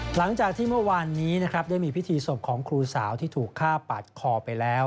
หลังจากที่เมื่อวานนี้นะครับได้มีพิธีศพของครูสาวที่ถูกฆ่าปาดคอไปแล้ว